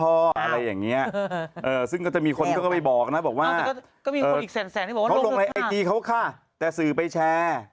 อะไรอย่างนี้ซึ่งก็จะมีคนก็ไปบอกนะบอกว่าเขาลงไลน์ไอตีเขาฆ่าแต่สื่อไปแชร์